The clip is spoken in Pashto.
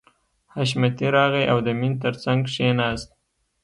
حشمتي راغی او د مینې تر څنګ کښېناست